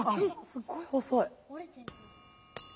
すごい細い。